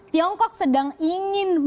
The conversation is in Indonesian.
tiongkok sedang ingin membangun